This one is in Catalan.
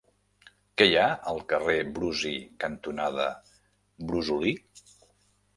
Què hi ha al carrer Brusi cantonada Brosolí?